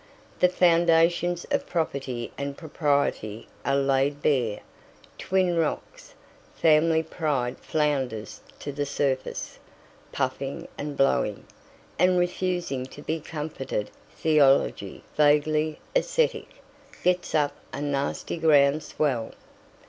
The foundations of Property and Propriety are laid bare, twin rocks; Family Pride flounders to the surface, puffing and blowing, and refusing to be comforted; Theology, vaguely ascetic, gets up a nasty ground swell.